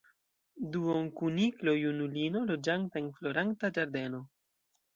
Duonkuniklo-junulino, loĝanta en Floranta Ĝardeno.